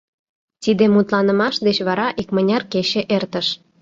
Тиде мутланымаш деч вара икмыняр кече эртыш.